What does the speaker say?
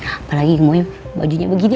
apalagi mau bajunya begini